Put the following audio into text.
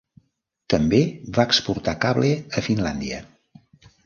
També va exportar cable a Finlàndia.